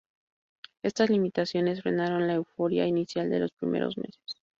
Estas limitaciones frenaron la euforia inicial de los primeros meses.